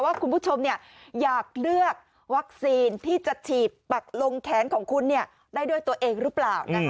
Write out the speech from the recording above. ว่าคุณผู้ชมอยากเลือกวัคซีนที่จะฉีดปักลงแขนของคุณได้ด้วยตัวเองหรือเปล่า